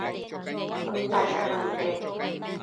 Chotac yacno nidebi